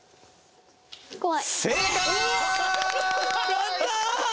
やったー！